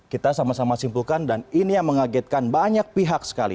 kita sama sama simpulkan dan ini yang mengagetkan banyak pihak sekali